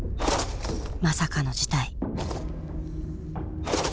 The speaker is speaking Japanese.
まさかの事態。